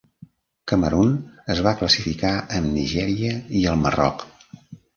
Camerun es va classificar amb Nigèria i el Marroc.